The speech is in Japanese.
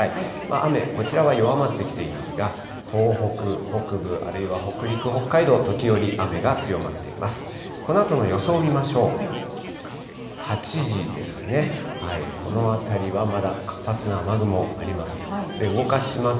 雨、こちらは弱まってきていますが、東北北部、あるいは北陸、北海道、時折、雨が強まっています。